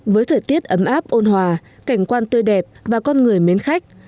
với thời tiết ấm áp ôn hòa cảnh quan tươi đẹp và con người mến khách